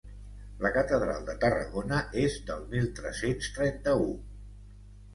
La catedral de Tarragona és del mil tres-cents trenta-u.